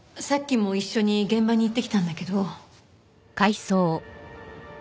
さっきも一緒に現場に行ってきたんだけど。